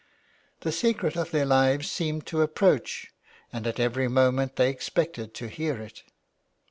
The secret of their lives seemed to approach and at every moment they expected to hear it.